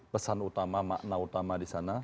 pesan utama makna utama di sana